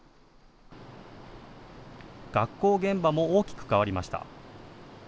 学校現場も大きく変わりました。